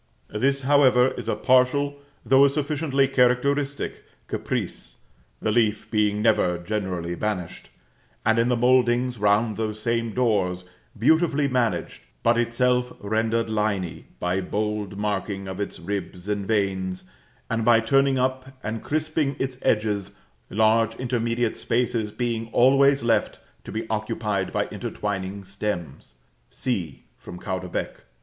This, however, is a partial, though a sufficiently characteristic, caprice, the leaf being never generally banished, and in the mouldings round those same doors, beautifully managed, but itself rendered liny by bold marking of its ribs and veins, and by turning up, and crisping its edges, large intermediate spaces being always left to be occupied by intertwining stems (c, from Caudebec).